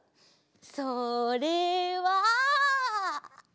それは。